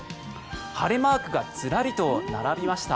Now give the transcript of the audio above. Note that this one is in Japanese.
晴れマークがずらりと並びました。